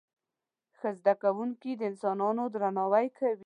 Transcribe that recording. ښه زده کوونکي د انسانانو درناوی کوي.